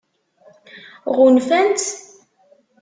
Ɣunfan-tt?